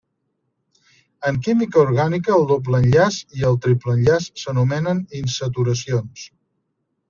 En química orgànica el doble enllaç i el triple enllaç s'anomenen insaturacions.